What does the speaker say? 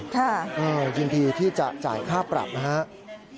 ยินดีที่จะจ่ายค่าปรับนะครับ